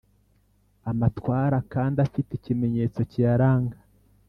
Amatwara kandi afite ikimenyetso kiyaranga